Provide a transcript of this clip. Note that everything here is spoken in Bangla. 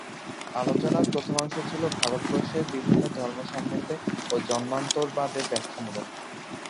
আলোচনার প্রথমাংশ ছিল ভারতবর্ষের বিভিন্ন ধর্ম সম্বন্ধে ও জন্মান্তরবাদের ব্যাখ্যামূলক।